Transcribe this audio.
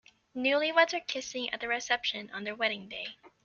Newlyweds are kissing at the reception on their wedding day.